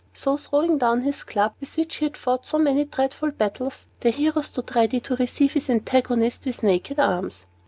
So, throwing down his club, with which he had fought so many dreadful battles, the hero stood ready to receive his antagonist with naked arms.